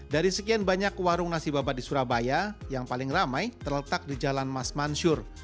dari sekian banyak warung nasi babat di surabaya yang paling ramai terletak di jalan mas mansur